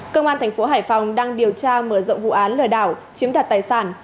cơ quan thành phố hải phòng đang điều tra mở rộng vụ án lừa đảo chiếm đặt tài sản